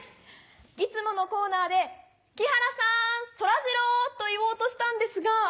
いつものコーナーで「木原さんそらジロー！」と言おうとしたんですが。